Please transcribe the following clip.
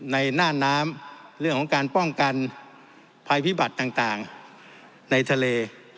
ในหน้าน้ำเรื่องของการป้องกันภัยพิบัติต่างในทะเล